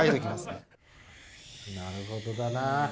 なるほどだな。